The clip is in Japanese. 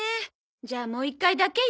じゃあもう一回だけよ。